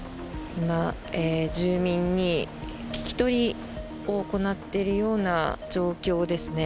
今、住民に聞き取りを行っているような状況ですね。